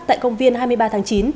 tại công viên hai mươi ba tháng chín